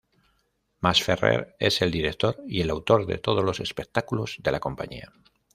Masferrer es el director y el autor de todos los espectáculos de la compañía.